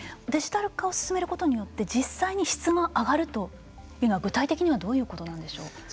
デジタル化を進めることによって実際に質が上がるというのは具体的にはどういうことなんでしょう。